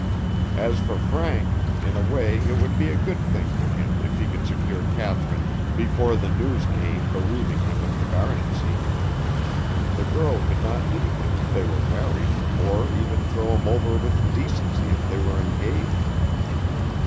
As for Frank, in a way it would be a good thing for him if he could secure Kathryn before the news came bereaving him of the baronetcy. The girl could not leave him if they were married, or even throw him over with decency if they were engaged.